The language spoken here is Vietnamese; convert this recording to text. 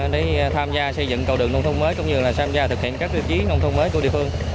để tham gia xây dựng cầu đường nông thôn mới